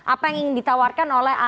apa yang ditawarkan oleh